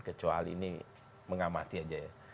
kecuali ini mengamati aja ya